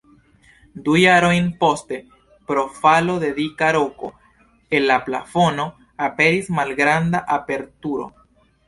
Du jarojn poste, pro falo de dika roko el la plafono, aperis malgranda aperturo.